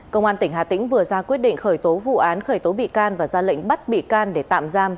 công an tỉnh hà tĩnh vừa ra quyết định khởi tố vụ án khởi tố bị can và ra lệnh bắt bị can để tạm giam